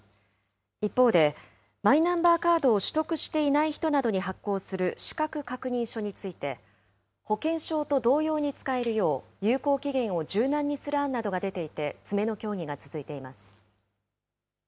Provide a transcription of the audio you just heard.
一方で、マイナンバーカードを取得していない人などに発行する資格確認書について、保険証と同様に使えるよう、有効期限を柔軟にする案などが出ていて、詰めの協議が続いています。